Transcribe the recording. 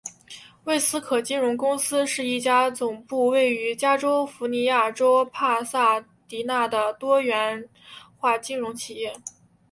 魏斯可金融公司是一家总部位于加尼福尼亚州帕萨迪纳的多元化金融企业。